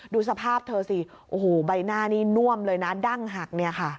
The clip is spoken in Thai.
ดูสภาพเธอสิโอ้โหใบหน้านี่น่วมเลยนะดั้งหักเนี่ยค่ะ